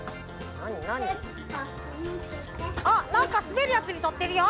あなんかすべるやつにのってるよ。